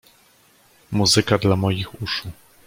Muzyka dla moich uszu.